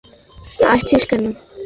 আরে, একসাথে আসছিস কেন?